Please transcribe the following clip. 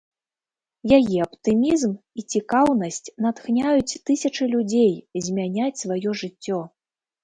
Яе аптымізм і цікаўнасць натхняюць тысячы людзей змяняць сваё жыццё.